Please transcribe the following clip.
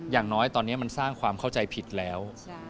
อย่างน้อยตอนนี้มันสร้างความเข้าใจผิดแล้ว